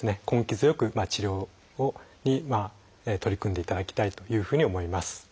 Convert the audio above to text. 根気強く治療に取り組んでいただきたいというふうに思います。